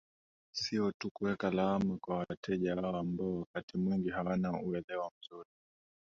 Sio tu kuweka lawama kwa wateja wao ambao wakati mwingi hawana uelewa mzuri